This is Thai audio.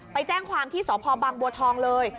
ไปแจ้งความที่สพบังบัวทองเลย